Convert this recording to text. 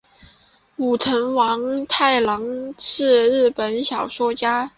舞城王太郎是日本的小说家。